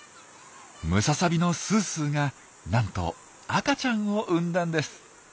ムササビのすーすーがなんと赤ちゃんを産んだんです！